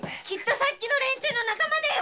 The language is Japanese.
さっきの連中の仲間だよ。